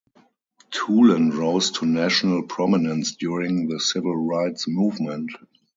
Toolen rose to national prominence during the civil rights movement.